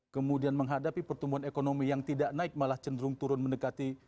kemudian menghadapi pertumbuhan ekonomi yang tidak naik malah cenderung turun mendekati